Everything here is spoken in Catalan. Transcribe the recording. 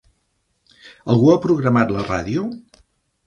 Algú ha programat la ràdio?